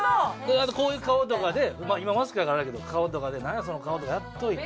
あとこういう顔とかで今マスクやからあれやけど顔とかで「なんや？その顔」とかやっといて。